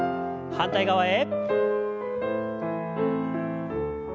反対側へ。